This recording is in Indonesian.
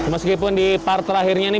meskipun di part terakhirnya ini